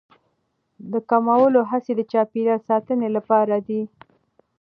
د کمولو هڅې د چاپیریال ساتنې لپاره دي.